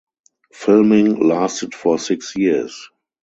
Filming lasted for six years.